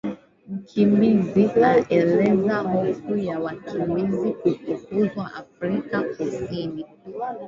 Mkimbizi aeleza hofu ya wakimbizi kufukuzwa Afrika Kusini